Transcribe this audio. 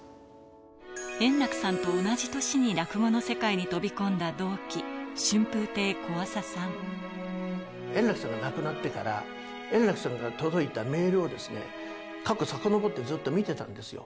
円楽さんと同じ年に落語の世界に飛び込んだ同期、円楽さんが亡くなってから、円楽さんから届いたメールを過去さかのぼって、ずっと見てたんですよ。